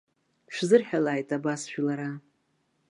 Шәзырҳәалааит абас жәлара.